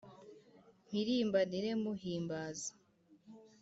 mpirimbanire muhimbaza